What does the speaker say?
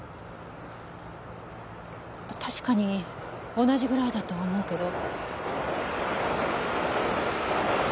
確かに同じぐらいだとは思うけど。